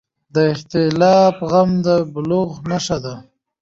د اختلاف زغم د بلوغ نښه ده